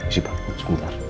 sini pak sebentar